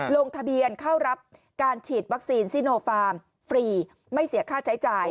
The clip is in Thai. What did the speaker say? ลงทะเบียนเข้ารับการฉีดวัคซีนซิโนฟาร์มฟรีไม่เสียค่าใช้จ่าย